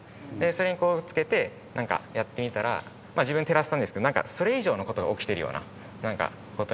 それにこう付けてやってみたら自分照らしたんですけどそれ以上の事が起きてるような事に気づいて。